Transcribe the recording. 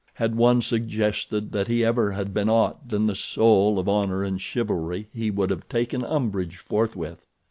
Had one suggested that he ever had been aught than the soul of honor and chivalry he would have taken umbrage forthwith.